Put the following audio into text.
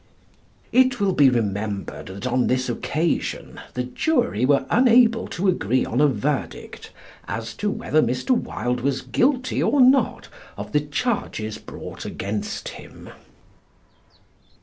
It will be remembered that on this occasion the jury were unable to agree on a verdict as to whether Mr. Wilde was guilty or not of the charges brought against him.